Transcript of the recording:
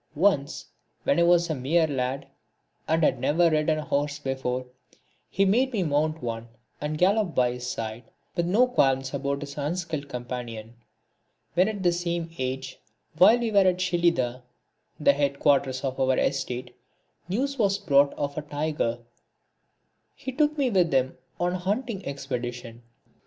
Once, when I was a mere lad, and had never ridden a horse before, he made me mount one and gallop by his side, with no qualms about his unskilled companion. When at the same age, while we were at Shelidah, (the head quarters of our estate,) news was brought of a tiger, he took me with him on a hunting expedition.